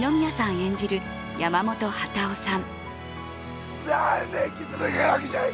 演じる山本幡男さん。